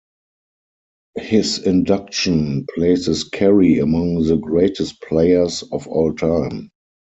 His induction places Carey among the greatest players of all time.